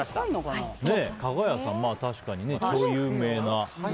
加賀屋さん、確かに超有名な。